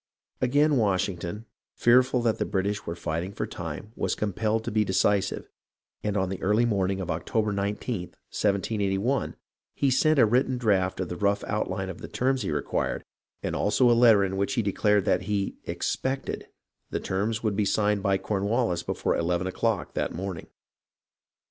Again Washington, fearful that the British were fighting for time, was compelled to be decisive, and on the early morning of October 19th, 1 781, he sent a written draft of the rough out line of the terms he required and also a letter in which he declared that he "expected" the terms would be signed by Cornwallis before eleven o'clock that morning.